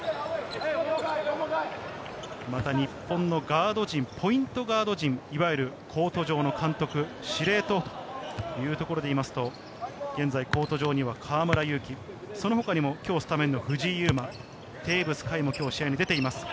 日本のガード陣、ポイントガード陣、いわゆるコート上の監督、司令塔というところで言うと、現在コート上には河村勇輝、その他にも今日スタメンの藤井祐眞、テーブス海も今日試合に出ています。